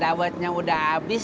kayaknya udah ngobrol